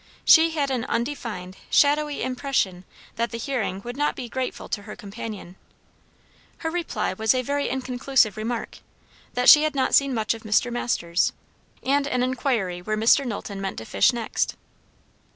She had an undefined, shadowy impression that the hearing would not be grateful to her companion. Her reply was a very inconclusive remark, that she had not seen much of Mr. Masters; and an inquiry where Mr. Knowlton meant to fish next.